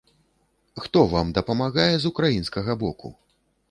Хто вам дапамагае з украінскага боку?